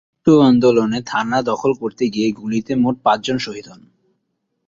উক্ত আন্দোলনে থানা দখল করতে গিয়ে গুলিতে মোট পাঁচজন শহীদ হন।